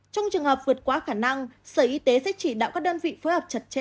trong trường hợp vượt quá khả năng sở y tế sẽ chỉ đạo các đơn vị phối hợp chặt chẽ